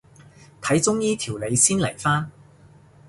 睇中醫調理先嚟返